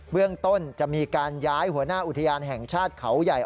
เรื่องต้นจะมีการย้ายหัวหน้าอุทยานแห่งชาติเขาใหญ่